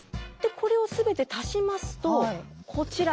これを全て足しますとこちら。